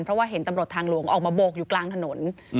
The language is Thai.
เพราะว่าเห็นตำรวจทางหลวงออกมาโบกอยู่กลางถนน